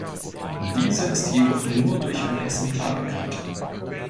Diese ist jedoch nur durch ein Exemplar bekannt.